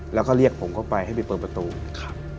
แล้วก็เรียกผมเข้าไปให้ไปเปิดประตูครับ